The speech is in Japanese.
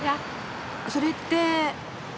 それって。